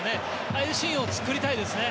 ああいうシーンを作りたいですね。